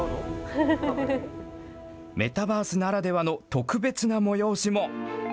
メタバースならではの特別な催しも。